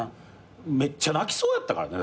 めっちゃ泣きそうやったからね。